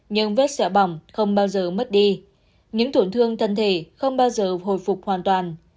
nhưng vết xẹo bỏng không bao giờ mất đi những tổn thương thân thể không bao giờ hồi phục hoàn toàn